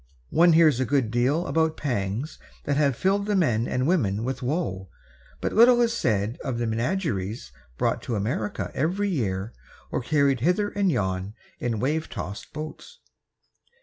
One hears a good deal about pangs that have filled the men and women with woe, but little is said of the menageries brought to America every year, or carried hither and yon in wave tossed boats.